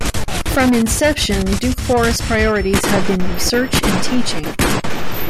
From inception, Duke Forest's priorities have been research and teaching.